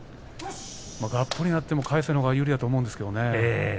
がっぷりになっても魁聖のほうが有利だと思うんですけどね。